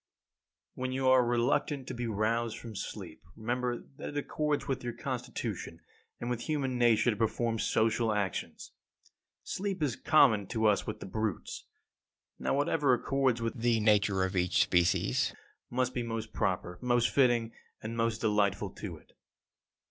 12. When you are reluctant to be roused from sleep, remember that it accords with your constitution and with human nature to perform social actions. Sleep is common to us with the brutes. Now, whatever accords with the nature of each species must be most proper, most fitting, and most delightful to it.